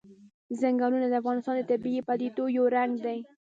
ځنګلونه د افغانستان د طبیعي پدیدو یو رنګ دی.